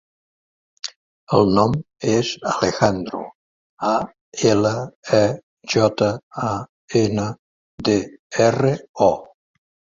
El nom és Alejandro: a, ela, e, jota, a, ena, de, erra, o.